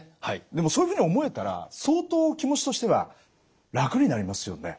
でもそういうふうに思えたら相当気持ちとしては楽になりますよね。